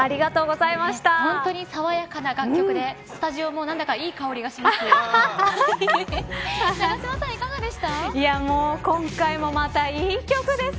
本当に爽やかな楽曲でスタジオも何だかいい香りがします。